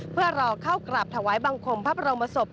เพื่อรอเข้ากราบถวายบังคมพระบรมศพ